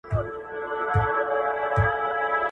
مخ یې ونیوۍ د لیري وطن لورته !.